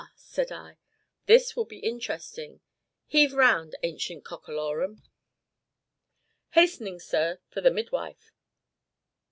said I, "this will be interesting; heave round, ancient cockalorum." "Hastening, sir, for the midwife.